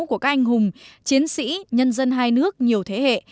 của các anh hùng chiến sĩ nhân dân hai nước nhiều thế hệ